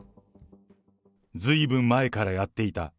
ずいぶん前からやっていた。